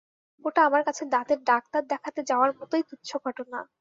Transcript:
ওটা আমার কাছে দাঁতের ডাক্তার দেখাতে যাওয়ার মতোই তুচ্ছ ঘটনা।